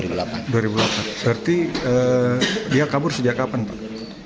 berarti dia kabur sejak kapan pak